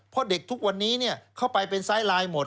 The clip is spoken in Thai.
เพราะเด็กทุกวันนี้เข้าไปเป็นไซส์ไลน์หมด